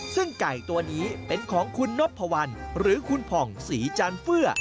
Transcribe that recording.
ซึ่งไก่ตัวนี้เป็นของคุณนพวัลหรือคุณผ่องศรีจันเฟื่อ